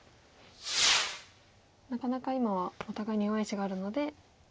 なかなか今はお互いに弱い石があるので。